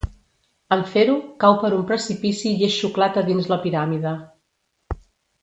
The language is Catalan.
En fer-ho, cau per un precipici i és xuclat a dins la piràmide.